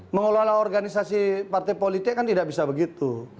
mengelola organisasi partai politik kan tidak bisa begitu